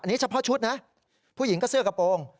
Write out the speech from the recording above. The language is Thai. อันนี้เฉพาะชุดนะผู้หญิงก็เสื้อกระโปรง